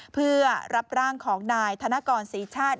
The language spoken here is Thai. เพื่อรับร่างของนายธนกรศรีชาติ